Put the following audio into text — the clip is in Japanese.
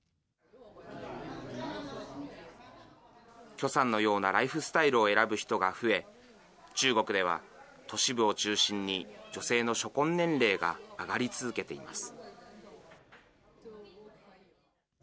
許さんのようなライフスタイルを選ぶ人が増え、中国では都市部を中心に、女性の初婚年齢が上がり続けています。